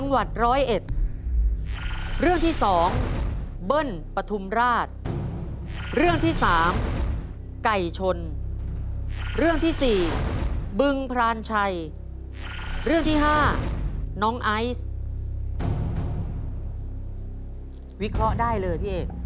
วิเคราะห์ได้เลยพี่เอก